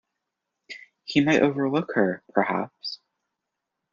He might overlook her, perhaps!